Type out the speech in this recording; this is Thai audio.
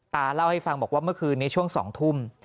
ตาเล่าให้ฟังบอกว่าเมื่อคืนนี้ช่วง๒ทุ่ม